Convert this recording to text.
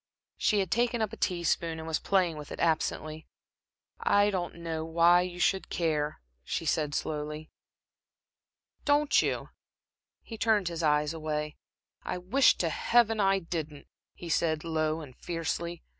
She had taken up a teaspoon, and was playing with it absently. "I don't know," she said, slowly "why you should care." "Don't you?" He turned his eyes away. "I wish to Heaven I didn't," he said, low and fiercely.